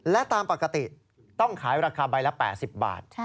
และตามปกติต้องขายราคาใบละ๘๐บาท